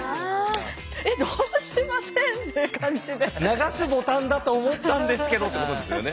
「流すボタンだと思ったんですけど」ってことですよね。